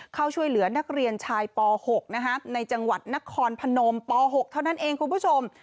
เข้าช่วยเหลือนักเรียนชายป๖ในจังหวัดนครพนมป๖เท่านั้นเองคุณผู้ชม